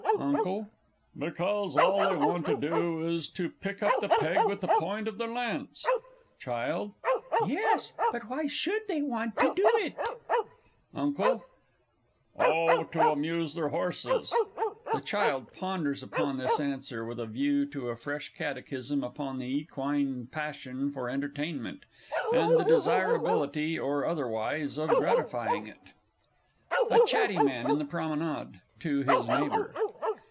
UNCLE. Because all they want to do is to pick up the peg with the point of their lance. CHILD. Yes, but why should they want to do it? UNCLE. Oh, to amuse their horses. (The CHILD _ponders upon this answer with a view to a fresh catechism upon the equine passion for entertainment, and the desirability, or otherwise, of gratifying it_.) A CHATTY MAN IN THE PROMENADE (to his NEIGHBOUR).